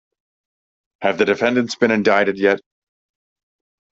Have the defendants been indicted yet?